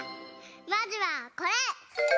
まずはこれ！